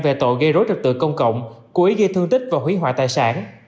về tội gây rối trật tự công cộng cố ý gây thương tích và hủy hoại tài sản